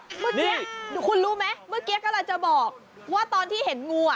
เมื่อกี้คุณรู้ไหมเมื่อกี้กำลังจะบอกว่าตอนที่เห็นงูอ่ะ